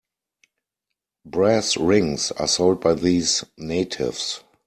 Brass rings are sold by these natives.